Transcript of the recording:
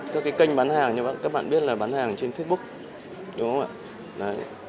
các kênh bán hàng các bạn biết là bán hàng trên facebook đúng không ạ